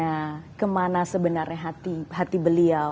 atau bagaimana sebenarnya hati beliau